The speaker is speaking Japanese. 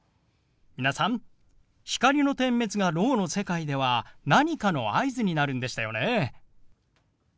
皆さん光の点滅がろうの世界では何かの合図になるんでしたよね。